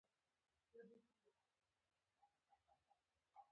د احمد غرور سر ته ختلی.